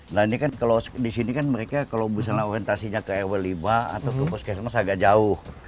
nah ini kan kalau disini kan mereka kalau misalnya orientasinya ke rw lima atau ke pos ksms agak jauh